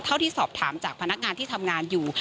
เท่าที่สอบถามจากพนักงานที่ทำงานอยู่